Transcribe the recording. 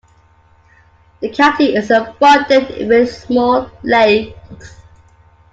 The county is abundant with small lakes.